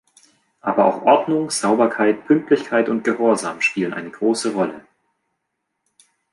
Aber auch Ordnung, Sauberkeit, Pünktlichkeit und Gehorsam spielen eine große Rolle.